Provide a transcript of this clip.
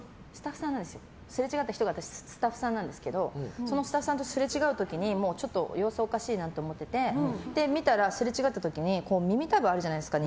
すれ違った人がスタッフさんなんですけどそのスタッフさんとすれ違う時に様子おかしいなって思ってて見たら、すれ違った時に耳たぶがあるじゃないですか。